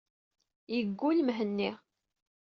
Yeggull Mhenni.